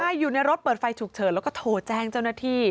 ใช่อยู่ในรถเปิดไฟฉุกเฉินแล้วก็โทรแจ้งเจ้าหน้าที่